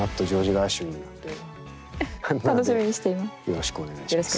よろしくお願いします。